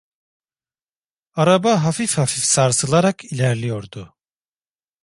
Araba hafif hafif sarsılarak ilerliyordu.